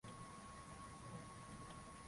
Ikiwa Claudius alikuja wakati wa jioni